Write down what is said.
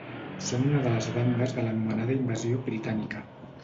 Són una de les bandes de l'anomenada Invasió Britànica.